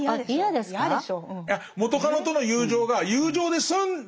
元カノとの友情が友情で済んで。